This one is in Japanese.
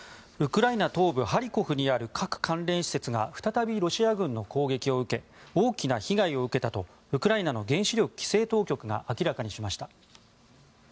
ウクライナ東部ハリコフにある核関連施設が再びロシア軍の攻撃を受け大きな被害を受けたとウクライナの原子力規制当局が明らかにしました。